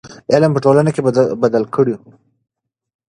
علم به ټولنه بدله کړې وي.